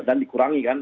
dan dikurangi kan